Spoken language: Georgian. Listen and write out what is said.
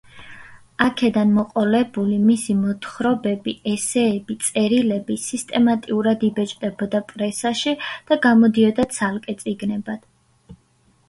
აქედან მოყოლებული მისი მოთხრობები, ესეები, წერილები სისტემატურად იბეჭდებოდა პრესაში და გამოდიოდა ცალკე წიგნებად.